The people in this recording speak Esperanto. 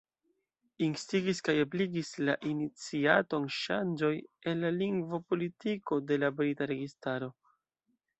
Instigis kaj ebligis la iniciaton ŝanĝoj en la lingvo-politiko de la brita registaro.